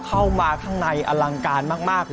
เข้ามาข้างในอลังการมากเลย